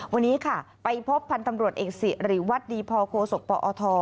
วันนี้ค่ะไปพบพันธ์ตำรวจเอกสิริวัตรดีพอโคศกปอท